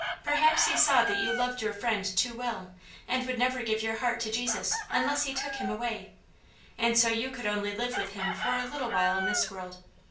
Perhaps he saw that you loved your friend too well, and would never give your heart to Jesus unless he took him away, and so you could only live with him for a little while in this world.